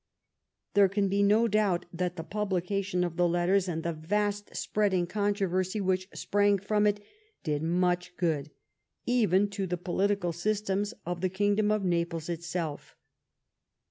There can be no doubt that the publication of the letters and the vast spreading controversy which sprang from it did much good, even to the political systems of the kingdom of Naples itself.